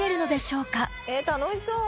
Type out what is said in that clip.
楽しそう。